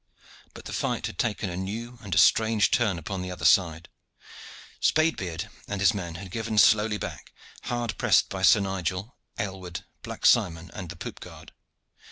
But the fight had taken a new and a strange turn upon the other side. Spade beard and his men had given slowly back, hard pressed by Sir Nigel, Aylward, Black Simon, and the poop guard.